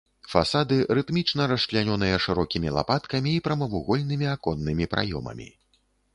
Фасады рытмічна расчлянёныя шырокімі лапаткамі і прамавугольнымі аконнымі праёмамі.